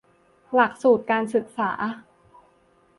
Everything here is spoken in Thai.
หลักสูตรการศึกษา